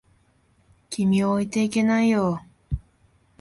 君を置いていけないよ。